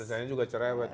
desainnya juga cerewet